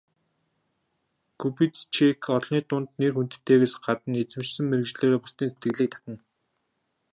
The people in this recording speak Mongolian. Кубицчек олны дунд нэр хүндтэйгээс гадна эзэмшсэн мэргэжлээрээ бусдын сэтгэлийг татна.